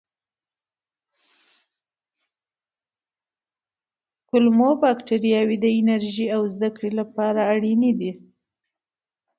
کولمو بکتریاوې د انرژۍ او زده کړې لپاره اړینې دي.